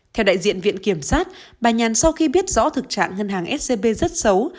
theo đại diện viện kiểm sát bà nhàn sau khi biết rõ thực trạng ngân hàng scb rất xấu